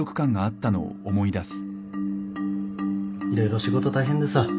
色々仕事大変でさ